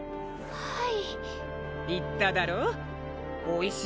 はい！